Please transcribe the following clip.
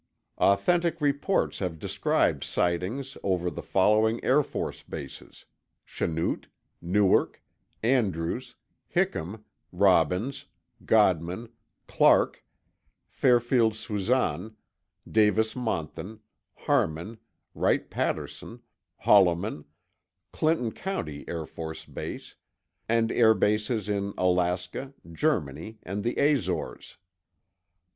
Authentic reports have described sightings; over the following Air Force bases: Chanute, Newark, Andrews, Hickam, Robbins, Godman, Clark, Fairfield Suisan, Davis Monthan, Harmon, Wright Patterson, Holloman, Clinton County Air Force Base, and air bases in Alaska, Germany, and the Azores.